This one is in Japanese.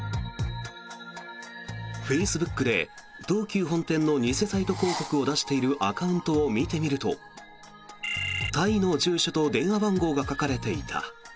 フェイスブックで東急本店の偽サイト広告を出しているアカウントを見てみるとタイの住所と電話番号が書かれていた。